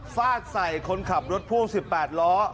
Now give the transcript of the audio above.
ฟาดใส่คนขับรถพ่วง๑๘ล้อ